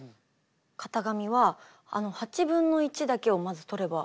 型紙はだけをまず取ればいいんですね。